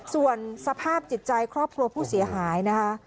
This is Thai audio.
ส่วนสภาพจิตใจครอบครัวผู้เสียหายนะคะ